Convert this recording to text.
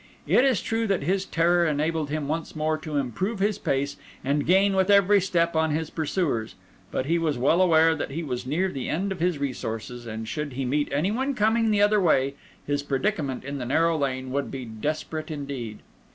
It is true that his terror enabled him once more to improve his pace, and gain with every step on his pursuers; but he was well aware that he was near the end of his resources, and should he meet any one coming the other way, his predicament in the narrow lane would be desperate indeed.